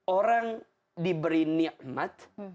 orang diberi ni'mat